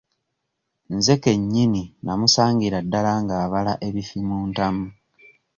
Nze ke nnyini namusangira ddala ng'abala ebifi mu ntamu.